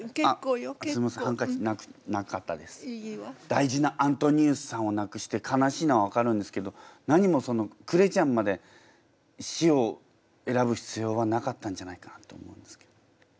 大事なアントニウスさんをなくして悲しいのはわかるんですけどなにもそのクレちゃんまで死を選ぶ必要はなかったんじゃないかなって思うんですけど。